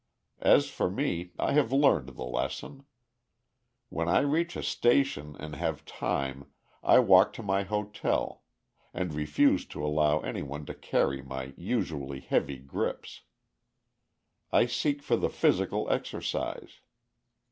As for me, I have learned the lesson. When I reach a station and have time, I walk to my hotel, and refuse to allow any one to carry my usually heavy grips. I seek for the physical exercise.